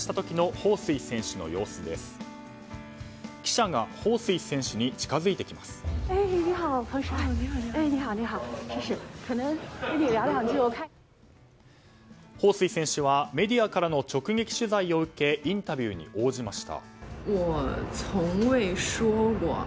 ホウ・スイ選手はメディアからの直撃取材を受けインタビューに応じました。